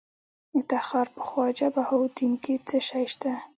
د تخار په خواجه بهاوالدین کې څه شی شته؟